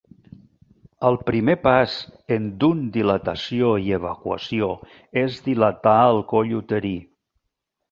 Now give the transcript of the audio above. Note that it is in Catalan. El primer pas en d'un dilatació i evacuació és dilatar el coll uterí.